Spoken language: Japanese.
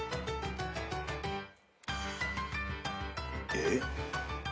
えっ？